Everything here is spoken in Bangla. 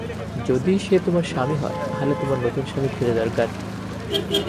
যদি সে তোমার স্বামী হয়, তাহলে তোমার নতুন স্বামী খোজা দরকার।